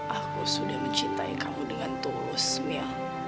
aku sudah mencintai kamu dengan terus milo